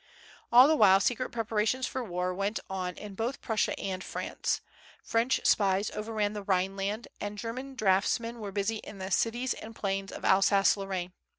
All the while secret preparations for war went on in both Prussia and France. French spies overran the Rhineland, and German draughtsmen were busy in the cities and plains of Alsace Lorraine.